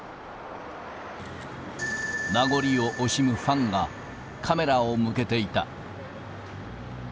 名残を惜しむファンがカメラを向けていた。